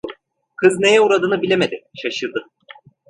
Kız neye uğradığını bilemedi, şaşırdı.